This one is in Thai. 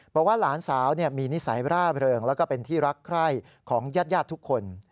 บอกว่าหลานสาวมีนิสัยร่าเริงแล้วก็เป็นที่รักใคร่ของญาติทุกคน